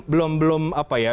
belum belum apa ya